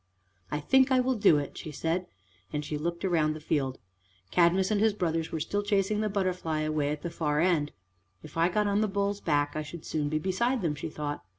"I think I will do it," she said, and she looked round the field. Cadmus and his brothers were still chasing the butterfly away at the far end. "If I got on the bull's back I should soon be beside them," she thought.